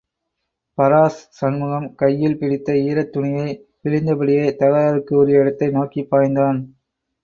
பராஸ் சண்முகம், கையில் பிடித்த ஈரத் துணியை பிழிந்தபடியே, தகராறுக்கு உரிய இடத்தை நோக்கி பாய்ந்தான்.